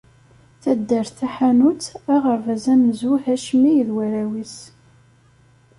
Taddart Taḥanut, aɣerbaz amenzu Hacmi d warraw-is.